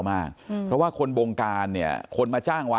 มีรถกระบะจอดรออยู่นะฮะเพื่อที่จะพาหลบหนีไป